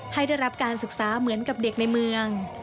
ให้ได้รับการศึกษาเหมือนกับเด็กในเมือง